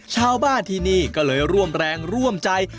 ชาวบ้านที่นี่ก็เลยร่วมแรงร่วมใจ